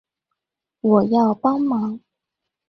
我要幫忙